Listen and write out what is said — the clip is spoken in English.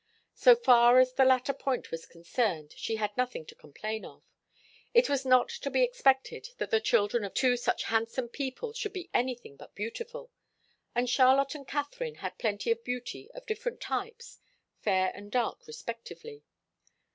So far as the latter point was concerned, she had nothing to complain of. It was not to be expected that the children of two such handsome people should be anything but beautiful, and Charlotte and Katharine had plenty of beauty of different types, fair and dark respectively.